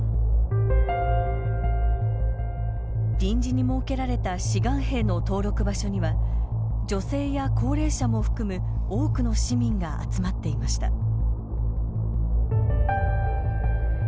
臨時に設けられた志願兵の登録場所には女性や高齢者も含む多くの市民が集まっていました。